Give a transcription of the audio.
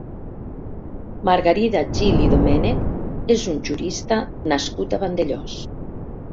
Margarida Gil i Domènech és un jurista nascut a Vandellòs.